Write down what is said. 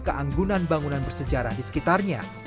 keanggunan bangunan bersejarah di sekitarnya